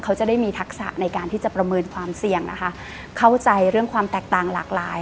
เขาจะได้มีทักษะในการที่จะประเมินความเสี่ยงนะคะเข้าใจเรื่องความแตกต่างหลากหลาย